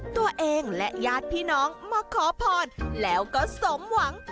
ตัวเองและญาติพี่น้องมาขอพรแล้วก็สมหวัง